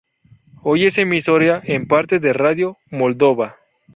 Hoy esa emisora es parte de Radio Moldova.